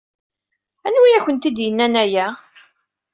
Anwa i akent-id-yennan aya?